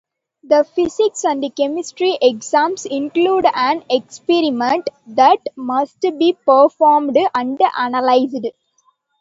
The physics and chemistry exams include an experiment that must be performed and analyzed.